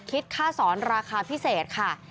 คิดค่าสอนราคาพิเศษค่ะ